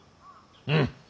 うん。